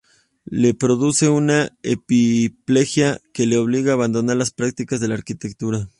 Le produce una hemiplejia que le obliga a abandonar la práctica de la arquitectura.